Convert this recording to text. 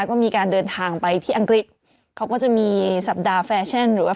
ก็มีการเดินทางไปที่อังกฤษเขาก็จะมีสัปดาห์แฟชั่นหรือว่า